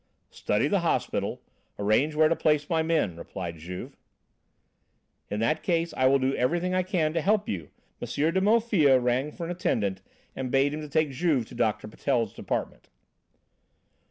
"Study the hospital; arrange where to place my men," replied Juve. "In that case, I will do everything I can to help you." M. de Maufil rang for an attendant and bade him take Juve to Doctor Patel's department.